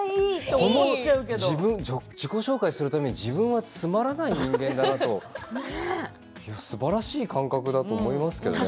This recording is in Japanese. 自己紹介するたびに自分はつまらない人間だなと、すばらしい感覚だと思いますけどね。